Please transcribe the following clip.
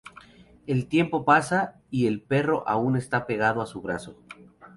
El tiempo pasa, y el perro aún está pegado a su brazo.